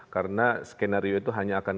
karena skenario itu hanya akan